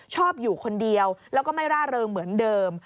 ชอบอยู่คนเดียวแล้วก็ไม่ร่าเริงเหมือนเดิม